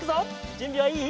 じゅんびはいい？